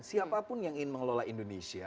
siapapun yang ingin mengelola indonesia